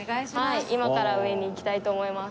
今から上に行きたいと思います。